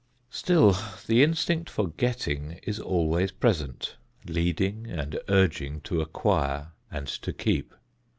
Still the instinct for getting is always present, leading and urging to acquire and to keep.